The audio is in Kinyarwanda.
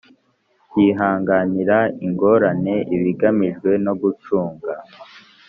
Cyihanganira ingorane ibigamijwe no gucunga